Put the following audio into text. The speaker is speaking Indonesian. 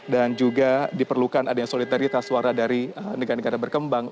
dan juga diperlukan adanya solidaritas suara dari negara negara berkembang